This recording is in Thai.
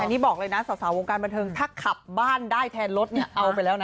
อันนี้บอกเลยนะสาววงการบันเทิงถ้าขับบ้านได้แทนรถเนี่ยเอาไปแล้วนะ